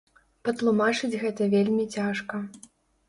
Патлумачыць гэта вельмі цяжка.